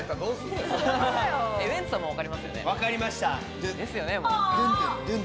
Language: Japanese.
ウエンツさんもわかりますよ